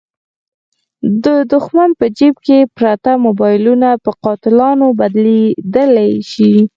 د دوښمن په جیب کې پراته موبایلونه په قاتلانو بدلېدلای شي.